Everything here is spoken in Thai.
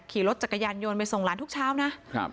ขี่รถจักรยานยนต์ไปส่งหลานทุกเช้านะครับ